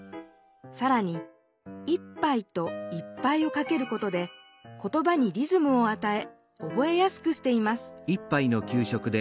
さらに「一杯」と「いっぱい」をかけることで言葉にリズムをあたえおぼえやすくしています